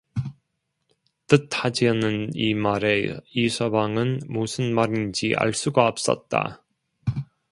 뜻하지 않은 이 말에 이서방은 무슨 말인지 알 수가 없었다.